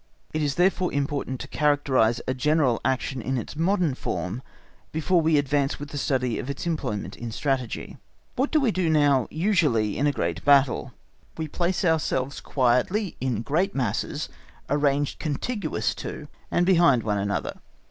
It is therefore important to characterise a general action in its modern form before we advance with the study of its employment in strategy. What do we do now usually in a great battle? We place ourselves quietly in great masses arranged contiguous to and behind one another.